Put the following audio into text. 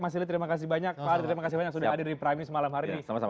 pak arief terima kasih banyak sudah hadir di priming semalam hari ini